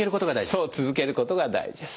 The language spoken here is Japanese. そう続けることが大事です。